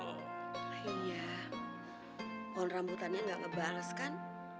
pohon rambutannya gak ngebaleskan